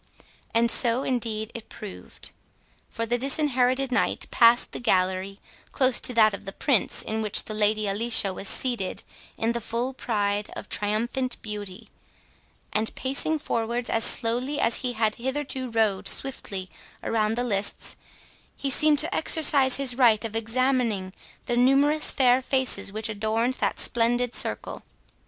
And so indeed it proved. For the Disinherited Knight passed the gallery close to that of the Prince, in which the Lady Alicia was seated in the full pride of triumphant beauty, and, pacing forwards as slowly as he had hitherto rode swiftly around the lists, he seemed to exercise his right of examining the numerous fair faces which adorned that splendid circle.